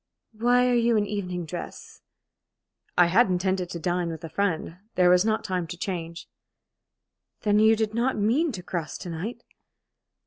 "Why are you in evening dress?" "I had intended to dine with a friend. There was not time to change." "Then you did not mean to cross to night?"